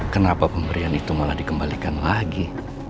kenapa pemberian itu malah dikembalikan lagi